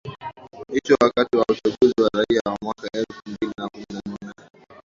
hicho wakati wa uchaguzi wa raia wa mwaka elfu mbili na kumi na nne